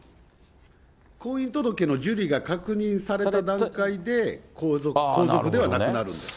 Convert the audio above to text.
婚姻届の受理が確認された段階で、皇族ではなくなるんです。